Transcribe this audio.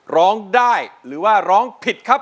ร้องได้หรือว่าร้องผิดครับ